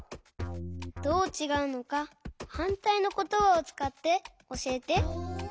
どうちがうのかはんたいのことばをつかっておしえて。